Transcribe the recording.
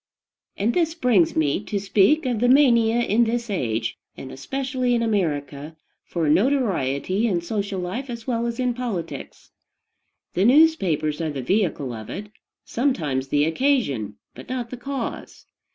And this brings me to speak of the mania in this age, and especially in America, for notoriety in social life as well as in politics. The newspapers are the vehicle of it, sometimes the occasion, but not the cause.